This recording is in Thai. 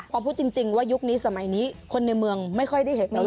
พอพูดจริงว่ายุคนี้สมัยนี้คนในเมืองไม่ค่อยได้เห็นตรงนี้